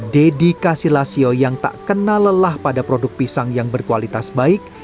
dedikasi lasio yang tak kenal lelah pada produk pisang yang berkualitas baik